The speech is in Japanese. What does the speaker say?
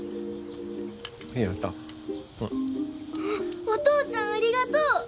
あっお父ちゃんありがとう！